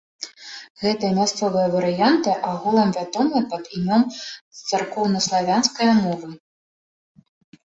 Гэтыя мясцовыя варыянты агулам вядомыя пад імем царкоўнаславянскае мовы.